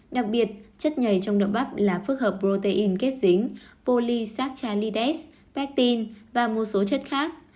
đặc biệt chất nhảy trong đậu bắp là phức hợp protein kết dính polysaccharides pectin và một số chất khác